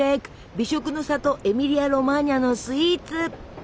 美食のさとエミリア・ロマーニャのスイーツ！